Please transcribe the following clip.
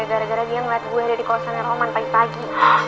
gara gara dia ngeliat gue ada di kosongnya roman pagi pagi